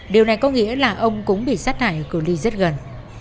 điều này có nghĩa là ông cũng bị sát hại ở cửa ly rất gần